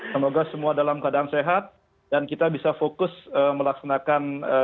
semoga semua dalam keadaan sehat dan kita bisa fokus melaksanakan